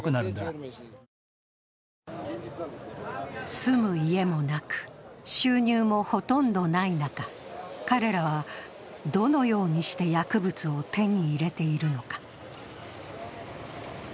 住む家もなく、収入もほとんどない中、彼らは、どのようにして薬物を手に入れているのか。